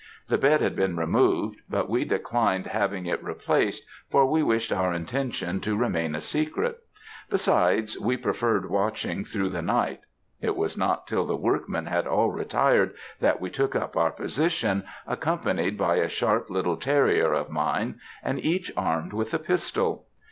The bed had been removed, but we declined having it re placed, for we wished our intention to remain a secret; besides, we preferred watching through the night. It was not till the workmen had all retired that we took up our position, accompanied by a sharp little terrier of mine, and each armed with a pistol.